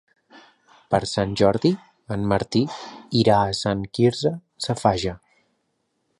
Per Sant Jordi en Martí irà a Sant Quirze Safaja.